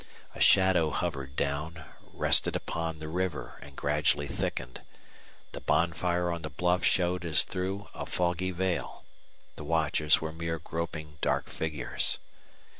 A shadow hovered down, rested upon the river, and gradually thickened. The bonfire on the bluff showed as through a foggy veil. The watchers were mere groping dark figures.